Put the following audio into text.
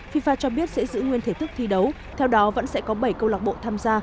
fifa cho biết sẽ giữ nguyên thể thức thi đấu theo đó vẫn sẽ có bảy câu lạc bộ tham gia